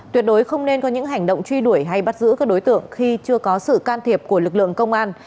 tuyệt đối không nên có những hành động truy đuổi hay bắt giữ các đối tượng khi chưa có sự can thiệp của lực lượng công an